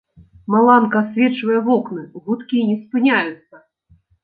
Маланка асвечвае вокны, гудкі не спыняюцца.